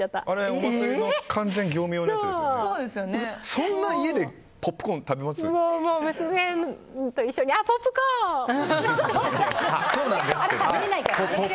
家でそんなにポップコーン食べます？